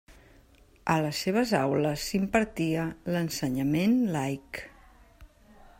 A les seves aules s'impartia l'ensenyament laic.